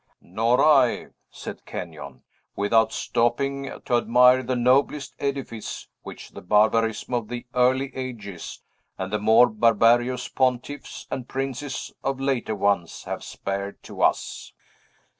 "Nor I," said Kenyon, "without stopping to admire the noblest edifice which the barbarism of the early ages, and the more barbarous pontiffs and princes of later ones, have spared to us."